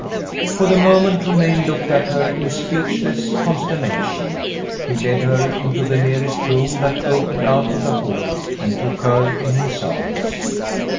For the moment, Romayne looked at her in speechless consternation. He led her into the nearest room that opened out of the hall, and took her in his arms.